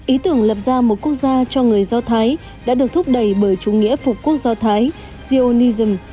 ý tưởng lập ra một quốc gia cho người do thái đã được thúc đẩy bởi chủ nghĩa phục quốc do thái zionisum